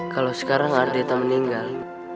kalau sekarang ardeta meninggal